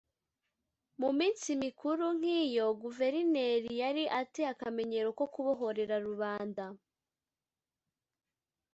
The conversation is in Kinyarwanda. Mu minsi mikuru nk iyo guverineri yari a te akamenyero ko kubohorera rubanda